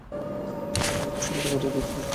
মনকে বশীভূত করাই তাহাদের উদ্দেশ্য।